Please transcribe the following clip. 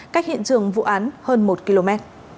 cách hiện trường vụ án hơn một km